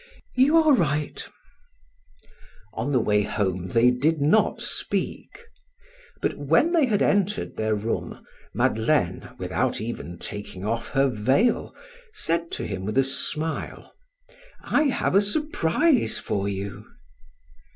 "You are right." On the way home they did not speak. But when they had entered their room, Madeleine, without even taking off her veil, said to him with a smile: "I have a surprise for you."